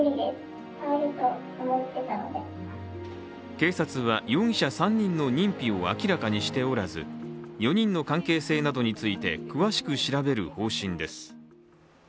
警察は、容疑者３人の認否を明らかにしておらず４人の関係性などについて詳しく調べる方針です。